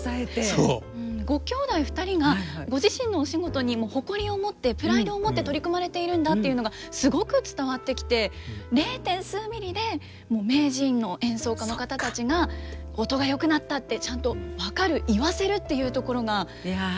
ご兄弟２人がご自身のお仕事に誇りを持ってプライドを持って取り組まれているんだっていうのがすごく伝わってきて０．数ミリで名人の演奏家の方たちが「音がよくなった」ってちゃんと分かる言わせるっていうところがプロだなという。